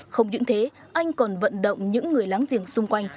không những thế anh còn vận động những người láng giềng xung quanh